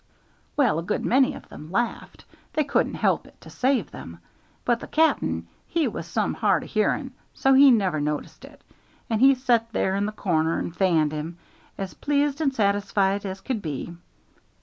"Well, a good many of them laughed they couldn't help it, to save them; but the cap'n he was some hard o' hearin', so he never noticed it, and he set there in the corner and fanned him, as pleased and satisfied as could be.